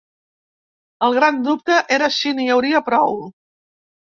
El gran dubte era si n’hi hauria prou.